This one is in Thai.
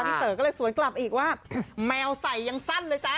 เต๋อก็เลยสวนกลับอีกว่าแมวใส่ยังสั้นเลยจ๊ะ